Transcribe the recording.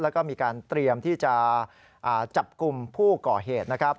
แล้วก็มีการเตรียมที่จะจับกลุ่มผู้ก่อเหตุนะครับ